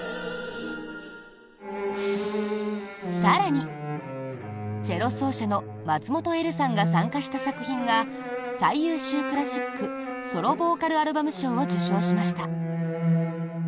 更に、チェロ奏者の松本エルさんが参加した作品が最優秀クラシック・ソロ・ボーカル・アルバム賞を受賞しました。